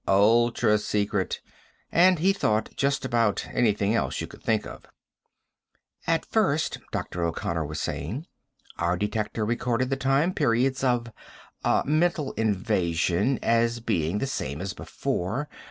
Ultra Secret. And, he thought, just about anything else you could think of. "At first," Dr. O'Connor was saying, "our detector recorded the time periods of ... ah mental invasion as being the same as before.